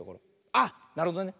あっなるほどね。